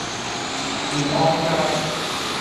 燕安街